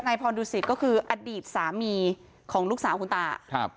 นายพรดูศิษย์ก็คืออดีตสามีของลูกสาวคุณตา